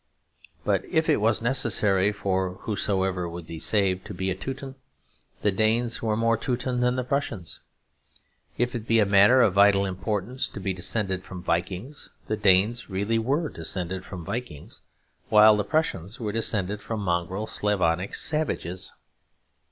But if it was necessary for whosoever would be saved to be a Teuton, the Danes were more Teuton than the Prussians. If it be a matter of vital importance to be descended from Vikings, the Danes really were descended from Vikings, while the Prussians were descended from mongrel Slavonic savages.